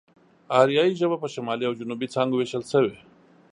آريايي ژبه په شمالي او جنوبي څانگو وېشل شوې.